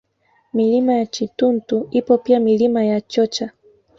Milima ya Chituntu ipo pia Milima ya Chocha